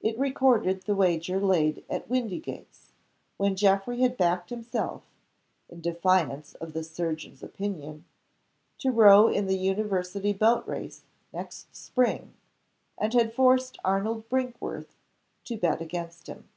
It recorded the wager laid at Windygates, when Geoffrey had backed himself (in defiance of the surgeon's opinion) to row in the University boat race next spring and had forced Arnold Brinkworth to bet against him.